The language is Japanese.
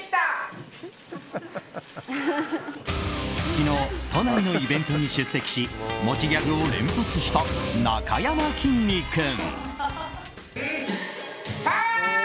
昨日、都内のイベントに出席し持ちギャグを連発したなかやまきんに君。